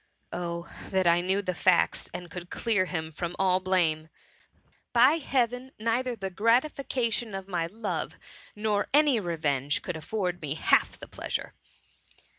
Oh, that I knew the facts, and could clear him from all blame ! By heaven ! neither the gratifica tion of my love, nor any revenge, could afford me half the pleasure